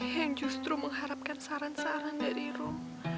yang justru mengharapkan saran saran dari rom